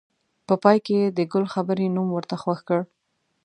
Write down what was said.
په پای کې یې د ګل خبرې نوم ورته خوښ کړ.